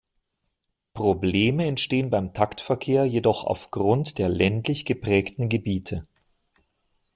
Probleme entstehen beim Taktverkehr jedoch aufgrund der ländlich geprägten Gebiete.